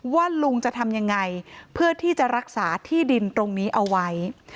ลุงจะทำยังไงเพื่อที่จะรักษาที่ดินตรงนี้เอาไว้